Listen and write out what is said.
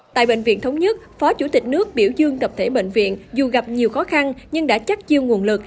tại bệnh viện thống nhất phó chủ tịch nước biểu dương tập thể bệnh viện dù gặp nhiều khó khăn nhưng đã chắc chiêu nguồn lực